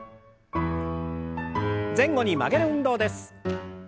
前後に曲げる運動です。